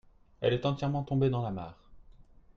Elle est entièrement tombée dans la mare.